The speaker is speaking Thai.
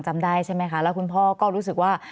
จำได้ใช่ไหมคะแล้วคุณพ่อก็รู้สึกว่า